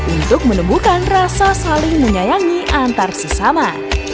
untuk menemukan rasa saling menyayangi antarsesama